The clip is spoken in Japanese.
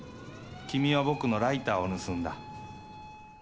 君は僕のライターを盗んだ。